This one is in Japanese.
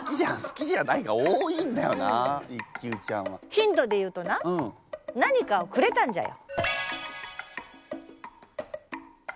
ヒントで言うとな何かをくれたんじゃよ。